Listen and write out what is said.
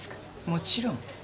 もちろん。